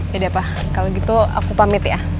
tidak pak kalau gitu aku pamit ya